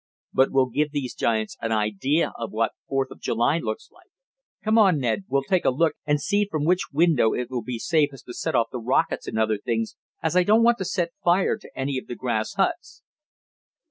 But we'll give these giants an idea of what Fourth of July looks like. Come on, Ned, we'll take a look and see from which window it will be safest to set off the rockets and other things, as I don't want to set fire to any of the grass huts."